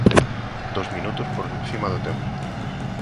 Dous minutos por encima do tempo.